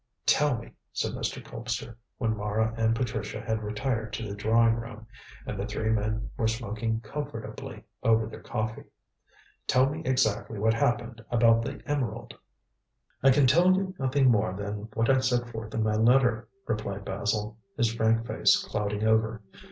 "Tell me," said Mr. Colpster, when Mara and Patricia had retired to the drawing room, and the three men were smoking comfortably over their coffee, "tell me exactly what happened about the emerald?" "I can tell you nothing more than what I set forth in my letter," replied Basil, his frank face clouding over.